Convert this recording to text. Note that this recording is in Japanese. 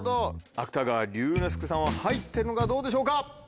芥川龍之介さんは入ってるのかどうでしょうか？